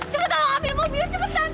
cepetan kami mau bawa cepetan